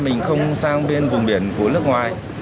mình không sang bên vùng biển của nước ngoài